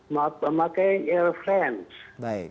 memakai air france